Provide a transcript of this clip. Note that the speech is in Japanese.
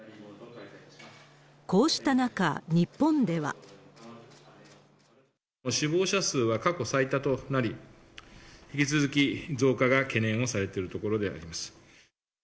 こうした中、日本では。死亡者数は過去最多となり、引き続き増加が懸念をされているところであります。